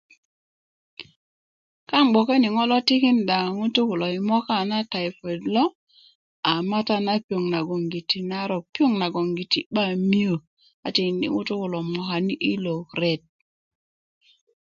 kaaŋ yi gboke ni ŋo' lo tikinda ŋutuu kulo moka tayipoid lo a mata na piyoŋ nagoŋgiti a narok piyoŋ nagoŋgiti 'ba miyö a tikindi' ŋutuu kulo mokani' yilo ret